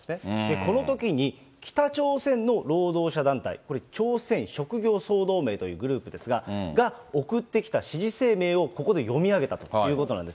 このときに、北朝鮮の労働者団体、これ、朝鮮職業総同盟というグループですが、が、送ってきた支持声明をここで読み上げたということなんです。